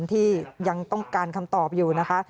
ที่ยังต้องการคำตอบอยู่นะคะ